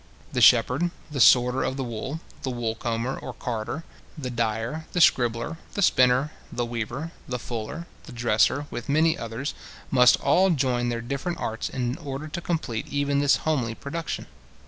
The shepherd, the sorter of the wool, the wool comber or carder, the dyer, the scribbler, the spinner, the weaver, the fuller, the dresser, with many others, must all join their different arts in order to complete even this homely production.